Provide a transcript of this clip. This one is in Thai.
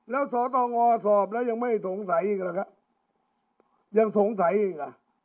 แล้วสตงสอบแล้วยังไม่สงสัยอีกหรอครับยังสงสัยอีกอ่ะ